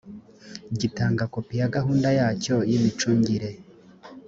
gitanga kopi ya gahunda yacyo y’ imicungire